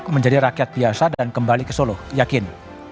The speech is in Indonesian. menjadi rakyat biasa dan kembali ke solo yakin